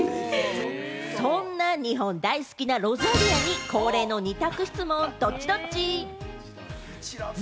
そんな日本大好きなロザリアに恒例の二択質問、ドッチ？